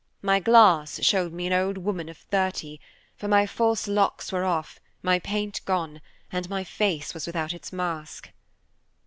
My glass showed me an old woman of thirty, for my false locks were off, my paint gone, and my face was without its mask.